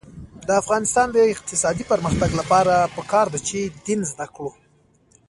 د افغانستان د اقتصادي پرمختګ لپاره پکار ده چې دین زده کړو.